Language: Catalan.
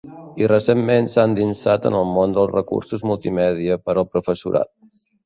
I recentment s'ha endinsat en el món dels recursos multimèdia per al professorat.